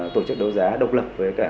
tổ chức đầu giá độc lập với cả